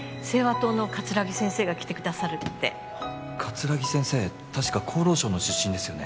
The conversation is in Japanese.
党の桂木先生が来てくださるって桂木先生確か厚労省の出身ですよね？